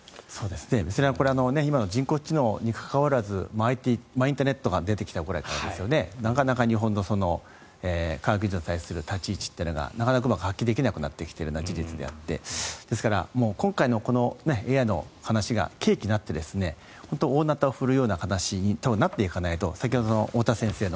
それは今の人工知能に関わらず、ＩＴインターネットが出てきたくらいからなかなか日本の科学技術に対する立ち位置がなかなかうまく発揮できなくなってきているのは事実でですから、今回のＡＩの話が契機になって大ナタを振るうような話になっていかないと先ほどの太田先生の